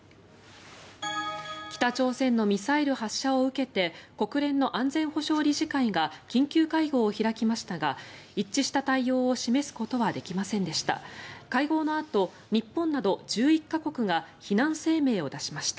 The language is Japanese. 北朝鮮のミサイル発射を受けて国連の安全保障理事会が緊急会合を開きましたが一致した対応を示すことはできませんでした。